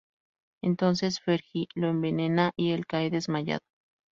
Entonces Fergie lo envenena y el cae desmayado.